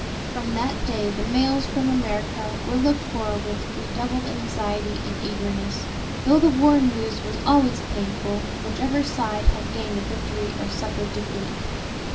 From that day the mails from America were looked for with redoubled anxiety and eagerness: though the war news was always painful, whichever side had gained a victory or suffered defeat.